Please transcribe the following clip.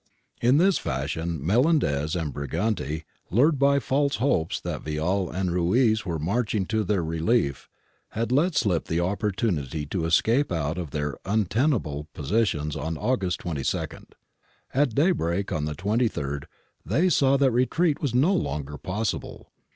^ In this fashion Melendez and Briganti, lured by false hopes that Vial and Ruiz were marching to their relief, had let slip the opportunity to escape out of their unten able positions on August 22, At daybreak on the 23rd they saw that retreat was no longer possible.